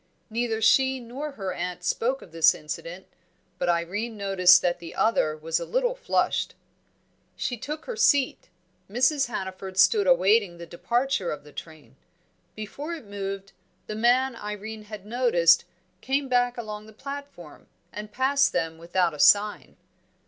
Neither she nor her aunt spoke of this incident, but Irene noticed that the other was a little flushed. She took her seat; Mrs. Hannaford stood awaiting the departure of the train. Before it moved, the man Irene had noticed came back along the platform, and passed them without a sign.